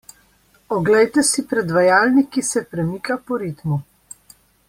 Oglejte si predvajalnik, ki se premika po ritmu.